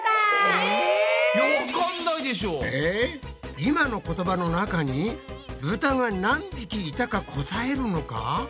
今の言葉の中にブタが何匹いたか答えるのか？